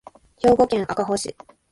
兵庫県赤穂市